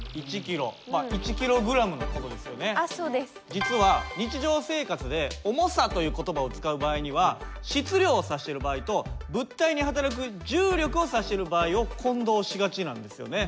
実は日常生活で「重さ」という言葉を使う場合には「質量」を指してる場合と「物体にはたらく重力」を指してる場合を混同しがちなんですよね。